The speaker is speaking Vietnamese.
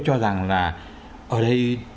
cho rằng là ở đây